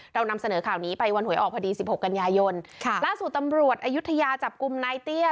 เรานำเสนอข่าวนี้ไปวันหวยออกพอดีสิบหกกันยายนค่ะล่าสุดตำรวจอายุทยาจับกลุ่มนายเตี้ย